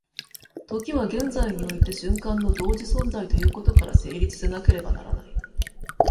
時は現在において瞬間の同時存在ということから成立せなければならない。